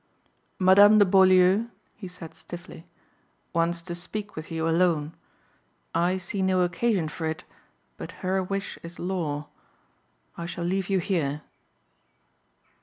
"Madame de Beaulieu," he said stiffly, "wants to speak with you alone. I see no occasion for it but her wish is law. I shall leave you here."